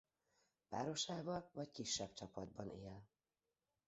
Párosával vagy kisebb csapatban él.